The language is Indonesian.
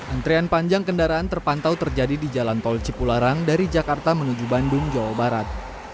antrian panjang kendaraan terpantau terjadi di jalan tol cipularang dari jakarta menuju bandung jawa barat